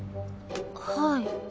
はい。